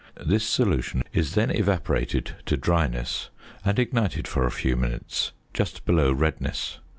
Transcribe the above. This solution is then evaporated to dryness and ignited, for a few minutes, just below redness.